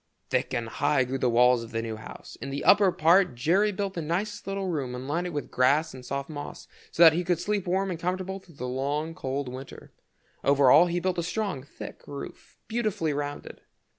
Thick and high grew the walls of the new house. In the upper part Jerry built the nicest little room, and lined it with grass and soft moss, so that he could sleep warm and comfortable through the long cold winter. Over all he built a strong, thick roof beautifully rounded.